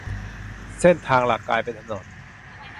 เส้นทางหลักกลายเป็นถนน